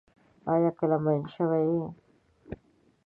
آیا کله مئین شوی یې؟